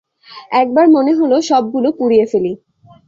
একবার মনে হল, সবগুলো পুড়িয়ে ফেলি।